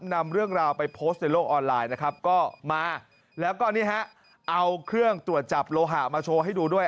นำเรื่องราวไปโพสต์ในโลกออนไลน์นะครับก็มาแล้วก็นี่ฮะเอาเครื่องตรวจจับโลหะมาโชว์ให้ดูด้วย